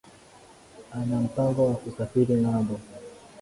Ana mpango wa kusafiri ngámbo